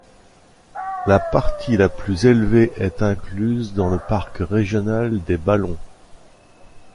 La partie la plus élevée est incluse dans le parc régional des Ballons.